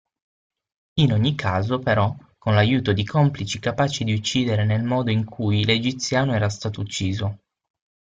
In ogni caso però con l'aiuto di complici capaci di uccidere nel modo in cui l'egiziano era stato ucciso.